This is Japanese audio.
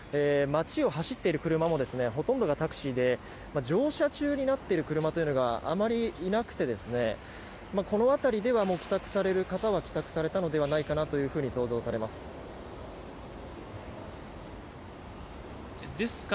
街を走っている車もほとんどがタクシーで乗車中になっている車があまりいなくてこの辺りでは帰宅される方は帰宅されたのではないかなと想像されます。